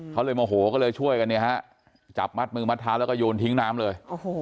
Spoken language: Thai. เขาเลยโมโหก็เลยช่วยกันเนี่ยฮะจับมัดมือมัดเท้าแล้วก็โยนทิ้งน้ำเลย